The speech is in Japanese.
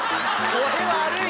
これ悪い！